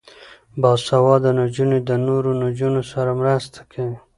باسواده نجونې د نورو نجونو سره مرسته کوي.